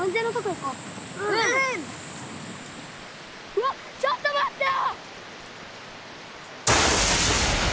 うわっちょっと待ってよ！